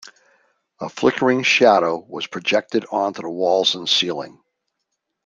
A flickering shadow was projected onto the walls and the ceiling.